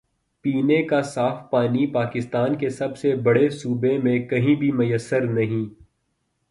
پینے کا صاف پانی پاکستان کے سب سے بڑے صوبے میں کہیں بھی میسر نہیں۔